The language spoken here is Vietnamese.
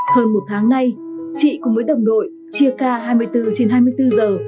hơn một tháng nay chị cùng với đồng đội chia ca hai mươi bốn trên hai mươi bốn giờ